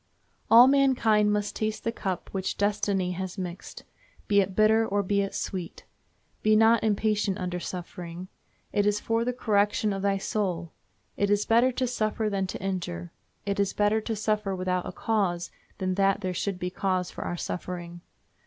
All mankind must taste the cup which destiny has mixed, be it bitter or be it sweet. Be not impatient under suffering. It is for the correction of thy soul. It is better to suffer than to injure. It is better to suffer without a cause than that there should be cause for our suffering.